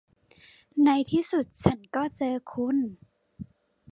ในที่สุดฉันก็เจอคุณ